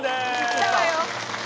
来たわよ。